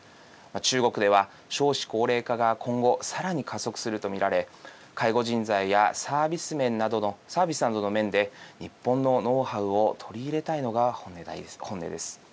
中国では少子高齢化が今後、さらに加速すると見られ介護人材やサービスなどの面で日本のノウハウを取り入れたいのが本音です。